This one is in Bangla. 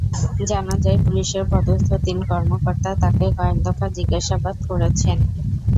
জানা যায়, পুলিশের পদস্থ তিন কর্মকর্তা তাঁকে কয়েক দফা জিজ্ঞাসাবাদ করেছেন।